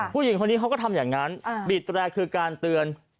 ผู้หญิงคนนี้เขาก็ทำอย่างนั้นบีดแตรคือการเตือน